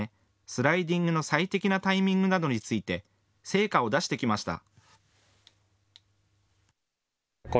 スライディングの最適なタイミングなどについて成果を出してきました。